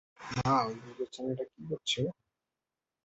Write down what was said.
মা, ওই কুকুরছানাটা কী করছে?